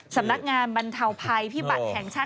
สำนักงานบรรเทาภัยพิบัติแห่งชาติ